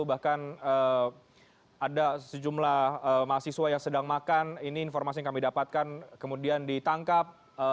bahkan ada sejumlah mahasiswa yang sedang makan ini informasi yang kami dapatkan kemudian ditangkap